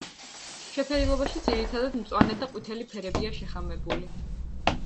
შეფერილობაში ძირითადად მწვანე და ყვითელი ფერებია შეხამებული.